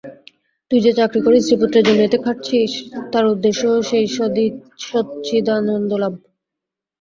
তুই যে চাকরি করে স্ত্রী-পুত্রের জন্য এতে খাটছিস, তার উদ্দেশ্যও সেই সচ্চিদানন্দলাভ।